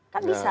kan bisa sih